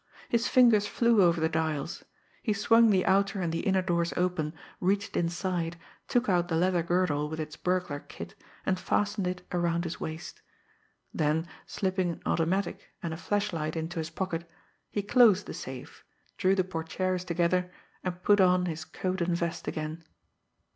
His fingers flew over the dials. He swung the outer and the inner doors open, reached inside, took out the leather girdle with its burglar kit, and fastened it around his waist. Then, slipping an automatic and a flashlight into his pocket, he closed the safe, drew the portières together, and put on his coat and vest again.